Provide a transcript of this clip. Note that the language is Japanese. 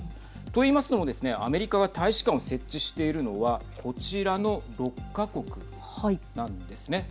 といいますのもですねアメリカが大使館を設置しているのはこちらの６か国なんですね。